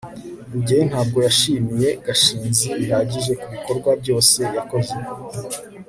rugeyo ntabwo yashimiye gashinzi bihagije kubikorwa byose yakoze